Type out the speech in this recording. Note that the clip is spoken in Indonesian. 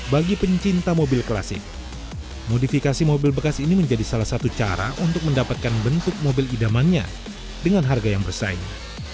bagi pencinta mobil klasik modifikasi mobil bekas ini menjadi salah satu cara untuk mendapatkan bentuk mobil idamannya dengan harga yang bersaing